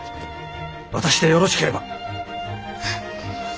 私でよろしければ。